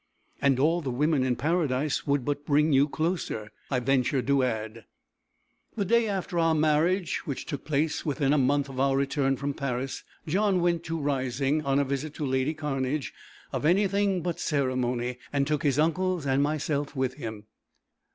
"And all the women in paradise would but bring you closer!" I ventured to add. The day after our marriage, which took place within a month of our return from Paris, John went to Rising, on a visit to lady Cairnedge of anything but ceremony, and took his uncles and myself with him.